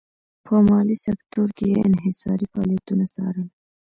په مالي سکتور کې یې انحصاري فعالیتونه څارل.